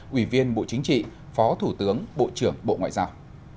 ủy viên bộ chính trị phó thủ tướng bộ trưởng bộ ngoại giao